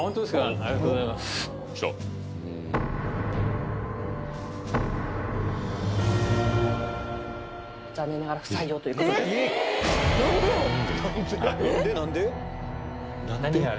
ありがとうございます残念ながら不採用ということで何でやろ？